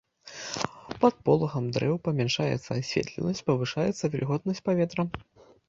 Пад полагам дрэў памяншаецца асветленасць, павышаецца вільготнасць паветра.